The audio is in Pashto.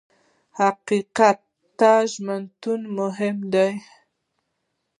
حقیقت ته ژمنتیا مهمه وه.